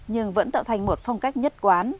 nhưng vẫn tạo thành một phong cách nhất quán